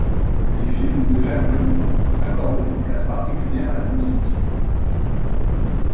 Les films de Jacques Demy accordent une place particulière à la musique.